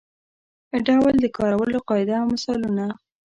ډول د کارولو قاعده او مثالونه.